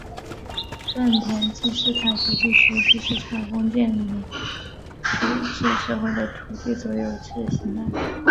份田制是傣族地区历史上封建领主制社会的土地所有制形态。